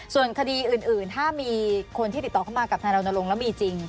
ส่วนคดีอื่นถ้ามีคนที่ติดต่อเข้ามากับทนายรณรงค์แล้วมีจริง